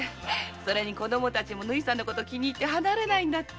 それに子供たちも縫さんの事気に入って離れないって。